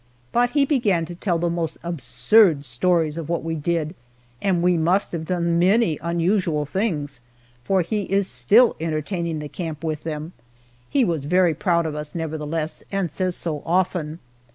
But he began to tell the most absurd stories of what we did, and we must have done many unusual things, for he is still entertaining the camp with them. He was very proud of us, nevertheless, and says so often.